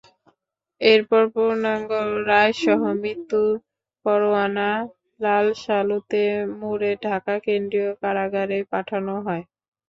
এরপর পূর্ণাঙ্গ রায়সহ মৃত্যু পরোয়ানা লালসালুতে মুড়ে ঢাকা কেন্দ্রীয় কারাগারে পাঠানো হয়।